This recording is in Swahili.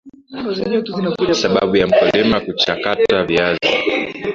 sabau za mkulima kuchakata viazi